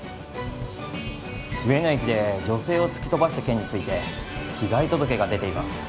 上野駅で女性を突き飛ばした件について被害届が出ています。